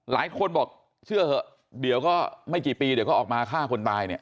หลายคนบอกเชื่อเถอะเดี๋ยวก็ไม่กี่ปีเดี๋ยวก็ออกมาฆ่าคนตายเนี่ย